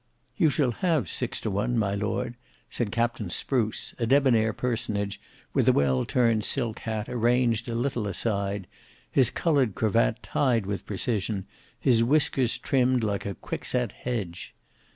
"You shall have six to one, my Lord," said Captain Spruce, a debonair personage with a well turned silk hat arranged a little aside, his coloured cravat tied with precision, his whiskers trimmed like a quickset hedge.